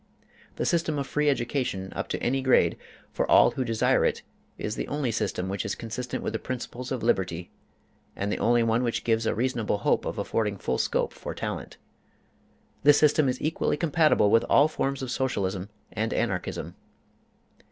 The system of free education up to any grade for all who desire it is the only system which is consistent with the principles of liberty, and the only one which gives a reasonable hope of affording full scope for talent. This system is equally compatible with all forms of Socialism and Anarchism.